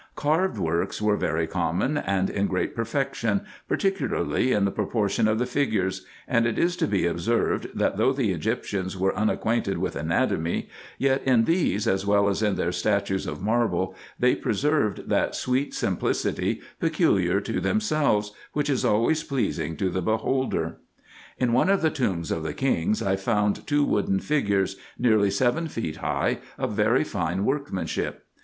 Carved works were very common, and in great perfection, par ticularly in the proportion of the figures ; and it is to be observed, that though the Egyptians were unacquainted with anatomy, yet in these, as well as in their statues of marble, they preserved that sweet simplicity peculiar to themselves, which is always pleasing to the beholder. In one of the tombs of the kings I found two wooden figures, nearly seven feet high, of very fine workmanship.